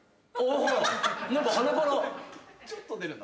・ちょっと出るな。